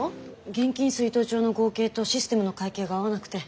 現金出納帳の合計とシステムの会計が合わなくて。